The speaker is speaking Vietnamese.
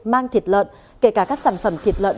mang thịt lợn kể cả các sản phẩm thịt lợn